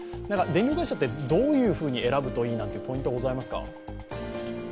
電力会社ってどういうふうに選ぶといいなとポイントはございますか。